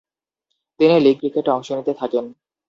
তিনি লীগ ক্রিকেটে অংশ নিতে থাকেন।